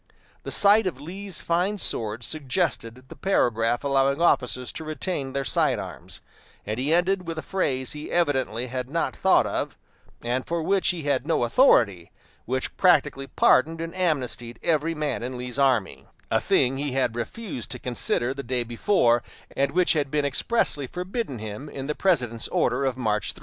The sight of Lee's fine sword suggested the paragraph allowing officers to retain their side arms; and he ended with a phrase he evidently had not thought of, and for which he had no authority, which practically pardoned and amnestied every man in Lee's army a thing he had refused to consider the day before, and which had been expressly forbidden him in the President's order of March 3.